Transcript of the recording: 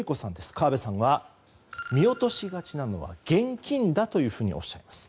川部さんは見落としがちなのは現金だとおっしゃいます。